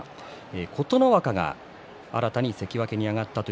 琴ノ若が新たに関脇に上がりました。